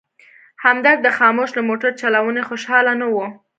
همدرد د خاموش له موټر چلونې خوشحاله نه و.